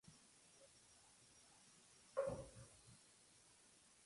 Reprimió, exilió y encarceló a muchos de sus adversarios políticos.